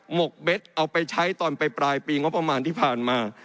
หกเบ็ดเอาไปใช้ตอนไปปลายปีงบประมาณที่ผ่านมา